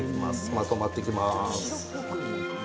まとまってきます。